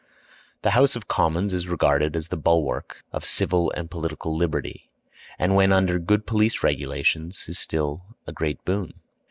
The House of Commons is regarded as the bulwark of civil and political liberty, and when under good police regulations is still a great boon.